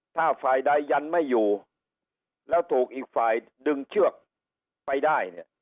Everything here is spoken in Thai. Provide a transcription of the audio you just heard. ถ้าฝ่ายใดยันไม่อยู่แล้วถูกอีกฝ่ายดึงเชือกไปได้เนี่ย